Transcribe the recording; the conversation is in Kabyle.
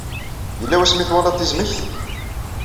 Yella wasmi twalaḍ tizmekt?